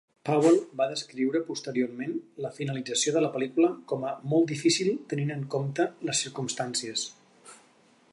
Powell va descriure posteriorment la finalització de la pel·lícula com a "molt difícil tenint en compte les circumstàncies".